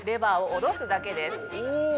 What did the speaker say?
お！